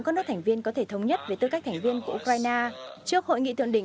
các nước thành viên có thể thống nhất về tư cách thành viên của ukraine trước hội nghị thượng đỉnh